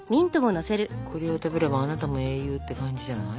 これを食べればあなたも英雄って感じじゃない？